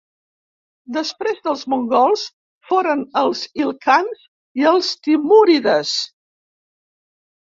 Després dels mongols, foren els Il-khans i els timúrides.